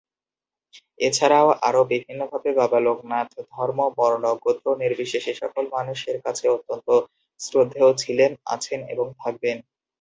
এছাড়াও আরো বিভিন্নভাবে বাবা লোকনাথ ধর্ম, বর্ণ, গোত্র নির্বিশেষে সকল মানুষের কাছে অত্যন্ত শ্রদ্ধেয় ছিলেন, আছেন এবং থাকবেন।